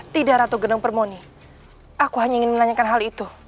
tidak ratu genong permoni aku hanya ingin menanyakan hal itu